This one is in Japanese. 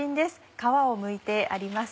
皮をむいてあります。